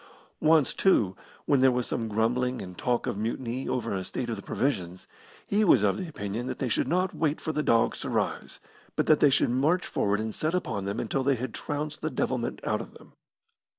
Once, too, when there was some grumbling and talk of a mutiny over the state of the provisions, he was of opinion that they should not wait for the dogs to rise, but that they should march forward and set upon them until they had trounced the devilment out of them.